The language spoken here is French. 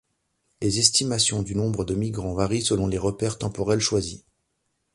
Les estimations du nombre de migrants varient selon les repères temporels choisis.